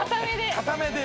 「硬めで」